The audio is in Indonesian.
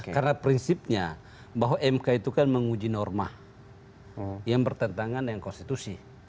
karena prinsipnya bahwa mk itu kan menguji norma yang bertentangan dengan konstitusi